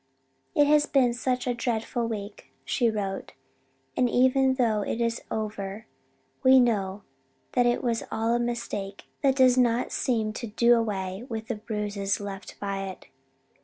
"It has been such a dreadful week," she wrote, "and even though it is over and we know that it was all a mistake that does not seem to do away with the bruises left by it.